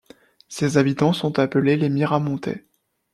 Ses habitants sont appelés les Miramontais.